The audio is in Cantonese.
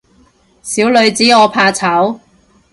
小女子我怕醜